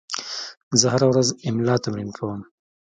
زه هره ورځ املا تمرین کوم.